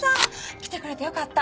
来てくれてよかった。